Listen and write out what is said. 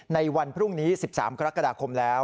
ในวันพรุ่งนี้๑๓กรกฎาคมแล้ว